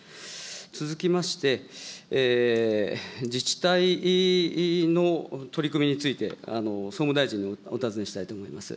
続きまして、自治体の取り組みについて、総務大臣にお尋ねしたいと思います。